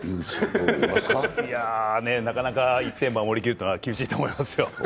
なかなか１点守り切るというのは厳しいと思いますよ。